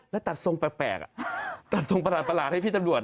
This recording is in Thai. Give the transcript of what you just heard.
แล้วตัดทรงแปลกตัดทรงประหลาดให้พี่ตำรวจ